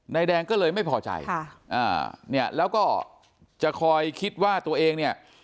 นายแดงก็เลยไม่พอใจเนี่ยแล้วก็จะคอยคิดว่าตัวเองเนี่ย